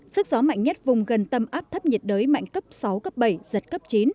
sức gió mạnh nhất vùng gần tâm áp thấp nhiệt đới mạnh cấp sáu cấp bảy giật cấp chín